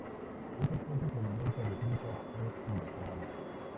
Esta especie se alimenta de frutas e invertebrados.